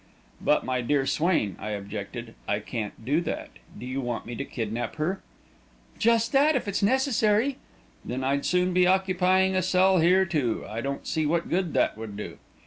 "But, my dear Swain," I objected, "I can't do that. Do you want me to kidnap her?" "Just that if it's necessary." "Then I'd soon be occupying a cell here, too. I don't see what good that would do."